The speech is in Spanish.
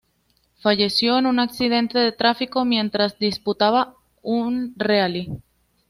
Falleció en un accidente de tráfico mientras disputaba un Rally.